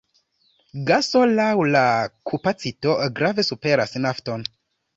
Gaso laŭ la kapacito grave superas nafton.